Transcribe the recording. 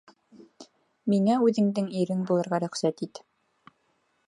Миңә үҙеңдең ирең булырға рөхсәт ит.